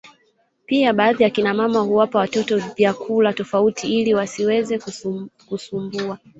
pia baadhi ya kina mama huwapa watoto vyakula tofauti ili wasiweze kusumbua